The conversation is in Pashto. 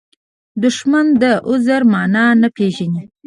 دښمن د عذر معنا نه پېژني